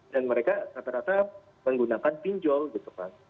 dan mereka rata rata menggunakan pinjol gitu kan